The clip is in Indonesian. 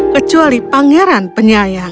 kecuali pangeran penyayang